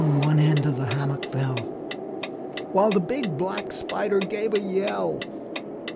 Down one end of the hammock fell, While the Big Black Spider gave a yell.